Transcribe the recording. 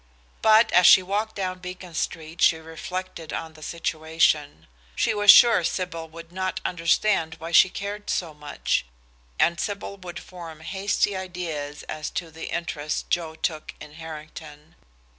But as she walked down Beacon Street she reflected on the situation. She was sure Sybil would not understand why she cared so much, and Sybil would form hasty ideas as to the interest Joe took in Harrington.